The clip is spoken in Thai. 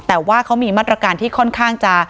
แต่ว่าเขามีมาตรการที่ค่อนข้างจะ